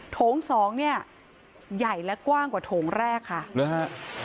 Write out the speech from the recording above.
โถงสองเนี่ยใหญ่และกว้างกว่าโถงแรกค่ะหรือฮะ